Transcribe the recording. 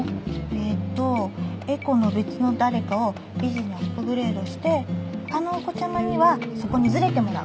えっとエコの別の誰かをビジにアップグレードしてあのお子ちゃまにはそこにずれてもらう。